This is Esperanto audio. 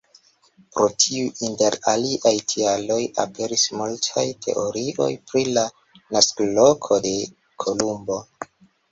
Pro tiu, inter aliaj tialoj, aperis multaj teorioj pri la naskoloko de Kolumbo.